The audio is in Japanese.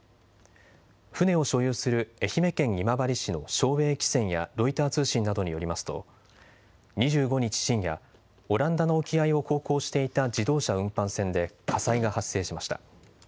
船を所有する愛媛県今治市の正栄汽船やロイター通信などによりますと２５日深夜オランダの沖合を航行していた自動車運搬船で火災が発生しました。